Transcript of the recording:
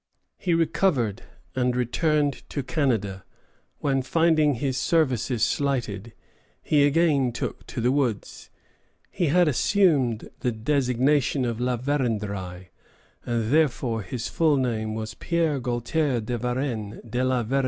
He recovered, and returned to Canada, when, finding his services slighted, he again took to the woods. He had assumed the designation of La Vérendrye, and thenceforth his full name was Pierre Gaultier de Varennes de la Vérendrye.